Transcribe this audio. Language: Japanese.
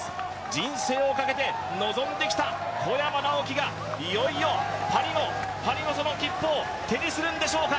人生をかけて臨んできた小山直城がいよいよパリのパリのその切符を手にするんでしょうか。